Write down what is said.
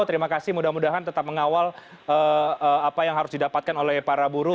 terima kasih mudah mudahan tetap mengawal apa yang harus didapatkan oleh para buruh